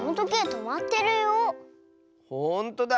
ほんとだ！